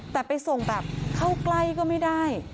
แต่ไปส่งแบบเข้าใกล้ก็ไม่ได้